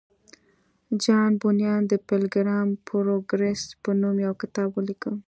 جان بونیان د پیلګریم پروګریس په نوم یو کتاب ولیکه